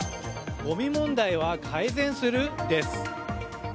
ごみ問題は改善する？です。